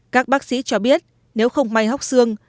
các bác sĩ cho biết nếu không may hóc xương